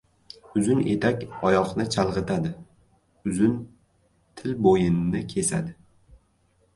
• Uzun etak oyoqni chalg‘itadi, uzun til bo‘yinni kesadi.